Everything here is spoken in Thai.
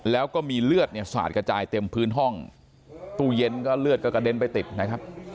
แล้วก็มีเลือดเนี่ยสาดกระจายเต็มพื้นห้องตู้เย็นก็เลือดก็กระเด็นไปติดนะครับ